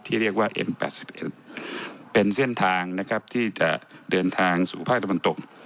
เรียกว่าเอ็ม๘๑เป็นเส้นทางนะครับที่จะเดินทางสู่ภาคตะวันตก